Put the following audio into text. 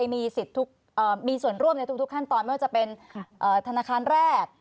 มีสิทธิ์มีส่วนร่วมในทุกขั้นตอนไม่ว่าจะเป็นธนาคารแรก